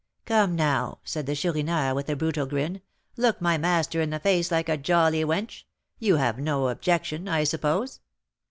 "Come, now," said the Chourineur, with a brutal grin, "look my master in the face like a jolly wench. You have no objection, I suppose?"